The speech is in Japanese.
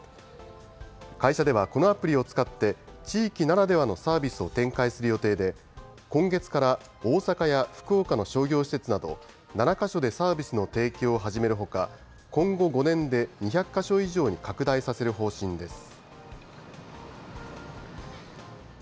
会社ではこのアプリを使って、地域ならではのサービスを展開する予定で、今月から大阪や福岡の商業施設など、７か所でサービスの提供を始めるほか、今後５年で２００か所以上に拡大させる方針です。